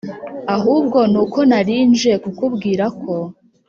ahubwo nuko narinje kukubwira ko